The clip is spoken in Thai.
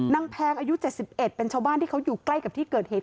แพงอายุ๗๑เป็นชาวบ้านที่เขาอยู่ใกล้กับที่เกิดเหตุ